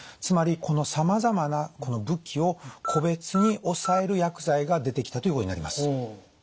つまりこのさまざまな武器を個別に抑える薬剤が出てきたということになります。